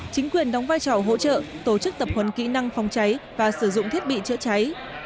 chính quyền đóng vai trò hỗ trợ tổ chức tập huấn kỹ năng phòng cháy và sử dụng thiết bị chữa cháy